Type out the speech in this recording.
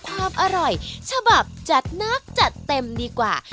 ความอร่อยฉบับจัดนักจัดเต็มดีกว่า